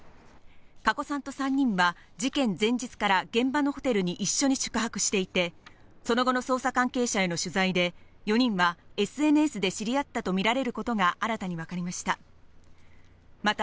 加古さんと３人は、事件前日から現場のホテルに一緒に宿泊していて、その後の捜査関係者への取材で、４人はＳＮＳで知り合ったと見られることが新たに分かりました。